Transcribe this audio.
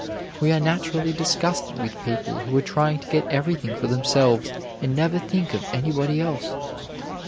We are naturally disgusted with people who are trying to get everything for themselves and never think of anybody else.